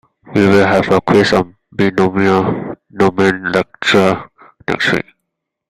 We will have a quiz on binomial nomenclature next week.